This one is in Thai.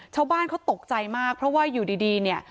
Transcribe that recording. ชาวบ้านเขาตกใจมากเพราะว่าอยู่ดีเนี่ย